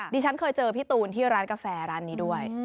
ดิฉันเคยเจอพี่ตูนที่ร้านกาแฟร้านนี้ด้วย